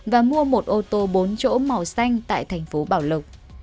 và mua một ô tô bốn chỗ màu xanh tại tp bảo lộc